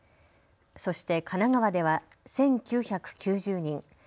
そして神奈川では１９９０人。